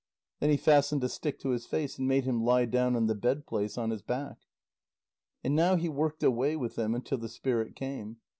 Then he fastened a stick to his face, and made him lie down on the bedplace on his back. And now he worked away with him until the spirit came.